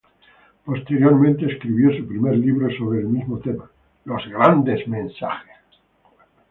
Posteriormente escribió su primer libro sobre el mismo tema: "Los grandes mensajes".